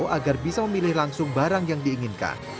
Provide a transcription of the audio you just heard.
tepung berpikir untuk memilih langsung barang yang diinginkan